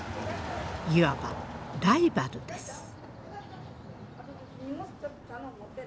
いわばライバルです。